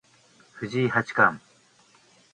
藤井八冠